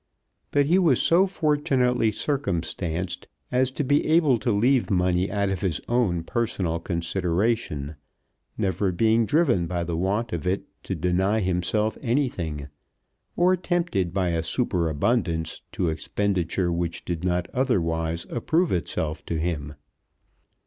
But he was so fortunately circumstanced as to be able to leave money out of his own personal consideration, never being driven by the want of it to deny himself anything, or tempted by a superabundance to expenditure which did not otherwise approve itself to him.